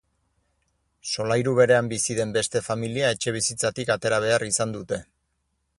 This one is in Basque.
Solairu berean bizi den beste familia etxebizitzatik atera behar izan dute.